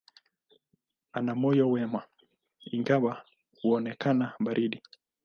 Ana moyo mwema, ingawa unaonekana baridi.